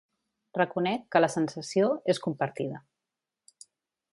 Reconec que la sensació és compartida.